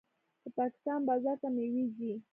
د پاکستان بازار ته میوې ځي.